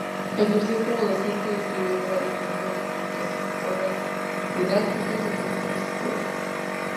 Ejerció como docente y escribió varios manuales de educación, obras didácticas y textos escolares.